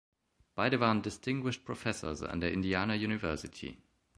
Beide waren „Distinguished Professors“ an der Indiana University.